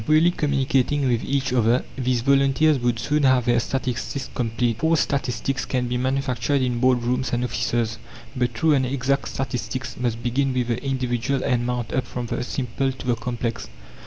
Freely communicating with each other, these volunteers would soon have their statistics complete. False statistics can be manufactured in board rooms and offices, but true and exact statistics must begin with the individual and mount up from the simple to the complex.